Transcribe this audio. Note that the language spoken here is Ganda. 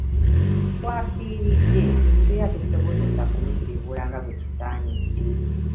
W'afiiridde ng'embeera tesobozesa kumusiibula nga bwe kisaanidde.